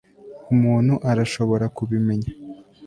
umuntu arashobora kubimenya